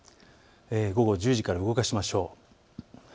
午後１０時から動かしましょう。